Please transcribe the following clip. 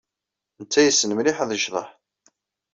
Netta yessen mliḥ ad yecḍeḥ.